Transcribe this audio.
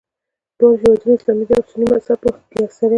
دواړه هېوادونه اسلامي دي او سني مذهب په کې اکثریت دی.